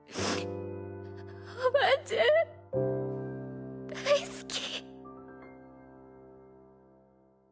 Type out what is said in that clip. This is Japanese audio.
おばあちゃん大好き。